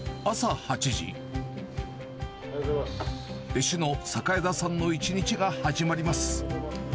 弟子の榮田さんの一日が始まります。